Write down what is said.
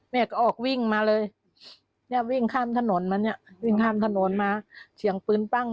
เนี่ยก็ออกวิ่งมาเลยเนี่ยวิ่งข้ามถนนมาเนี่ยวิ่งข้ามถนนมาเสียงปืนปั้ง